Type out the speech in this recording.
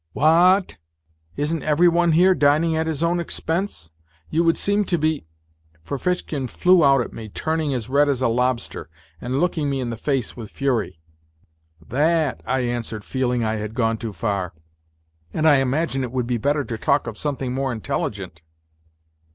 " Wha at ? Isn't every one here dining at his own expense ? You would seem to be ..." Ferfitchkin flew out at me, turning as red as a lobster, and looking me in the face with fury. " Tha at," I answered, feeling I had gone too far, " and I imagine it would be better to talk of something more intelligent."